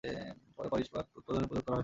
তবে পরে ইস্পাত উৎপাদনে প্রয়োগ করা হয়েছিল।